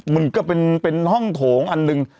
มันก็เป็นห้องโถงอันหนึ่ง